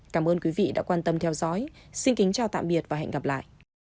cảm ơn quý vị đã quan tâm theo dõi xin kính chào tạm biệt và hẹn gặp lại